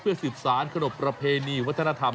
สืบสารขนบประเพณีวัฒนธรรม